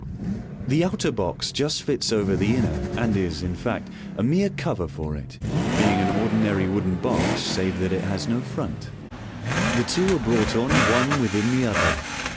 394 MODERN MAGIC. The outer box just fits over the inner, and is, in fact, a mere cover for it, being an ordinary wooden box, save that it has no front. The two are brought on one within the other.